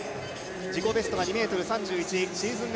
自己ベストが２ｍ３１、シーズン